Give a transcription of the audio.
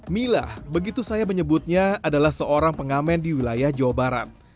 mila begitu saya menyebutnya adalah seorang pengamen di wilayah jawa barat